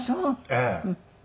ええ。